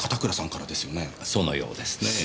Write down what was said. そのようですねぇ。